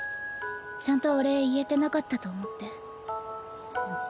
ちゃんとお礼言えてなかったと思って。